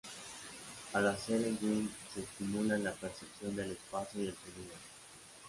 Al hacer swing se estimula la percepción del espacio y el sonido.